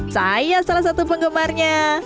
saya salah satu penggemarnya